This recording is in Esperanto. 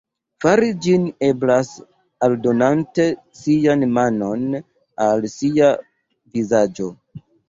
Fari ĝin eblas aldonante sian manon al sia vizaĝo.